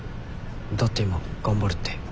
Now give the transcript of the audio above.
だって今「頑張る」って。